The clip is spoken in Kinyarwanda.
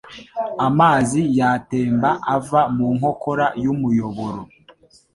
Amazi yatemba ava mu nkokora y'umuyoboro.